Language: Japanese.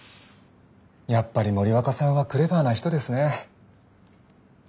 やっぱり森若さんはクレバーな人ですね。